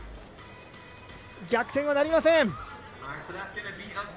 逆転はなりません！